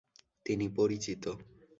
তিনি পরিচিত।